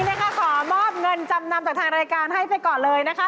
ตอนนี้ขอมอบเงินจำนำจากทางรายการให้ไปก่อนเลยนะคะ๔๒๐๐บาท